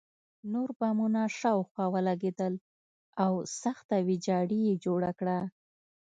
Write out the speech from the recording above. نور بمونه شاوخوا ولګېدل او سخته ویجاړي یې جوړه کړه